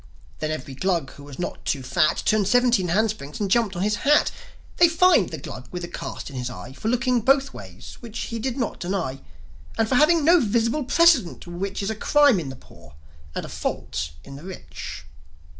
Then every Glug who was not too fat Turned seventeen handsprings, and jumped on his hat. They fined the Glug with the cast in his eye For looking both ways which he did not deny And for having no visible precedent, which Is a crime in the poor and a fault in the rich.